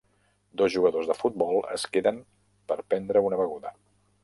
Dos jugadors de futbol es queden per prendre una beguda.